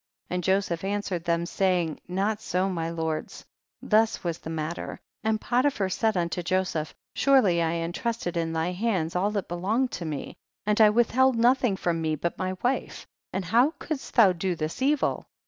and Joseph answered them, saying, not so my lords, thus was the matter ; and Potiphar said unto Joseph, surely I entrusted in thy hands all that belonged to me, and I withheld nothing from thee but my wife, and how couldst thou do this evil